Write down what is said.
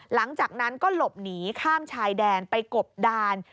หลังจากนั้นก็หลบหนีข้ามชายแดนไปกบดาน